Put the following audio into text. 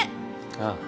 ああ。